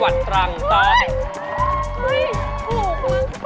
เฮ้ยถูกมั้งถูก